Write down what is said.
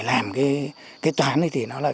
làm cái toán thì nó là